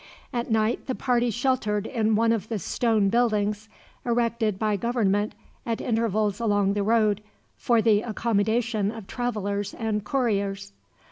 At night the party sheltered in one of the stone buildings, erected by government at intervals along the road, for the accommodation of travelers and couriers.